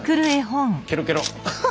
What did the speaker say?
ケロケロ。